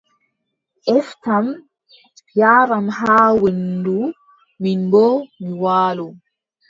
Eftam, yaaram haa weendu, min boo, mi waalo.